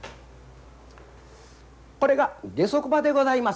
これが下足場でございます。